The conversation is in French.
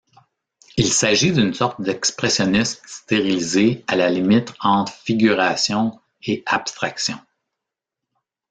Il s'agit d'une sorte d'expressionnisme stérilisé à la limite entre figuration et abstraction.